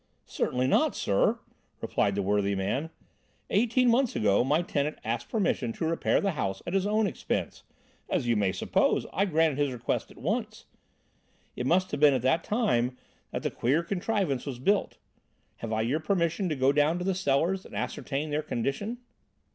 "Certainly not, sir," replied the worthy man. "Eighteen months ago my tenant asked permission to repair the house at his own expense; as you may suppose, I granted his request at once. It must have been at that time that the queer contrivance was built. Have I your permission to go down to the cellars and ascertain their condition?"